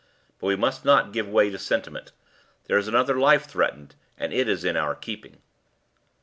But we must not give way to sentiment. There is another life threatened, and it is in our keeping."